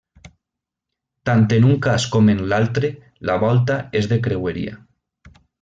Tant en un cas com en l'altre, la volta és de creueria.